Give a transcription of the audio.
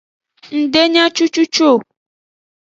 Ng de nya cucucu o.